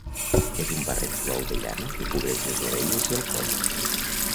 És un barret suau de llana que cobreix les orelles i el coll.